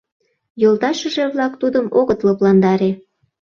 Йолташыже-влак тудым огыт лыпландаре.